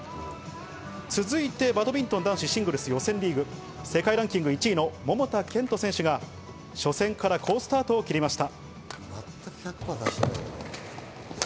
続いてバドミントン男子シングルス予選リーグ、世界ランキング１位の桃田賢斗選手が初戦から好スタートを切りました。